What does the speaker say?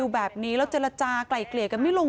พ่อปลาไม่ได้เว่งจากร้านเขาเราอาจจะไปทำอะไรก่อน